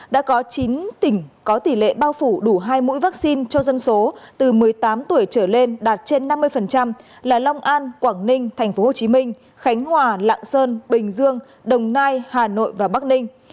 đã có chín tỉnh có tỷ lệ bao phủ đủ hai mũi vaccine cho dân số từ một mươi tám tuổi trở lên đạt trên năm mươi là long an quảng ninh tp hcm khánh hòa lạng sơn bình dương đồng nai hà nội và bắc ninh